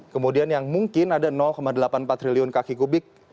kemudian yang mungkin ada delapan puluh empat triliun kaki kubik